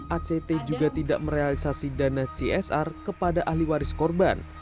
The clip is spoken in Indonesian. act juga tidak merealisasi dana csr kepada ahli waris korban